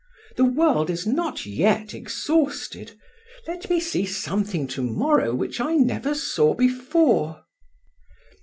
The world is not yet exhausted: let me see something to morrow which I never saw before."